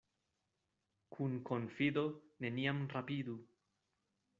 Kun konfido neniam rapidu.